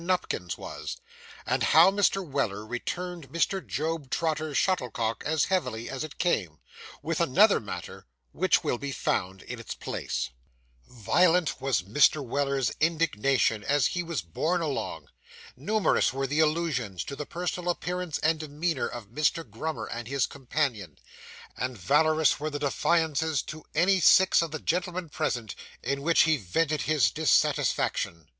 NUPKINS WAS; AND HOW MR. WELLER RETURNED MR. JOB TROTTER'S SHUTTLECOCK AS HEAVILY AS IT CAME WITH ANOTHER MATTER, WHICH WILL BE FOUND IN ITS PLACE Violent was Mr. Weller's indignation as he was borne along; numerous were the allusions to the personal appearance and demeanour of Mr. Grummer and his companion; and valorous were the defiances to any six of the gentlemen present, in which he vented his dissatisfaction.